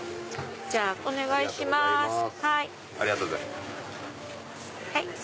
じゃあお願いします。